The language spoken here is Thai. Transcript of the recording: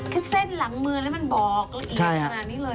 คือเส้นหลังมือแล้วมันบอกละเอียดขนาดนี้เลย